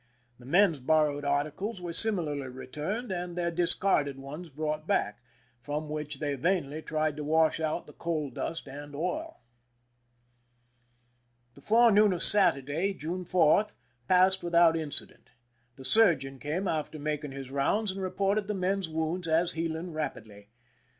The men's borrowed articles were similarly returned and their discarded ones brought back, from which they vainly tried to wash out the coal dust and oil. The forenoon of Saturday (June 4) passed with out incident. The surgeon came after making his rounds, and reported the men's wounds as healing rapidly.